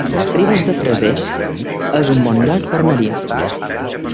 Ribes de Freser es un bon lloc per anar-hi